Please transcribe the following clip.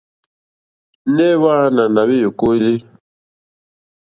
Nɛh Hwaana na hweyokoeli?